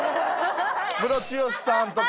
ムロツヨシさんとか。